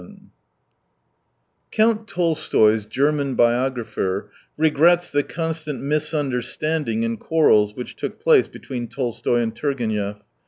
77 Count Tolstoy's German biographer regrets the constant misunderstanding and quarrels which took place between Tolstoy and Turgenev.